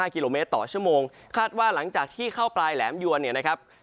กิโลเมตรต่อชั่วโมงคาดว่าหลังจากที่เข้าปลายแหลมยวนเนี่ยนะครับ